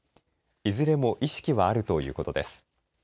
いずれも意識はあるということです。